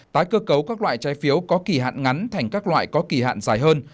tái cơ cấu các loại trái phiếu có kỳ hạn ngắn thành các loại có kỳ hạn dài hơn